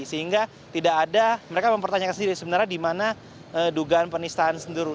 sehingga tidak ada mereka mempertanyakan sendiri sebenarnya di mana dugaan penistaan sendiri